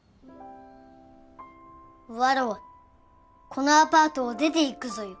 わらわこのアパートを出て行くぞよ。